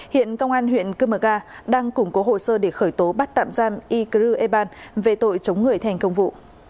hiện công an huyện cơ mờ ga đang củng cố hồ sơ để khởi tố bắt tạm giam ygrueban về tội chống người thành công vụ